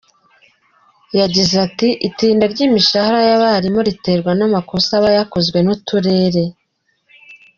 Yagize ati “Itinda ry’imishahara y’abarimu riterwa n’amakosa aba yakozwe n’uturere.